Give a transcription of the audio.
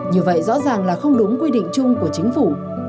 như vậy rõ ràng là không đúng quy định chung của chính phủ